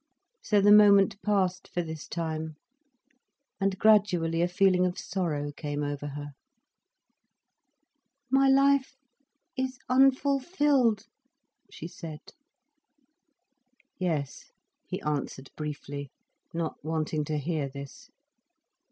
So the moment passed for this time. And gradually a feeling of sorrow came over her. "My life is unfulfilled," she said. "Yes," he answered briefly, not wanting to hear this.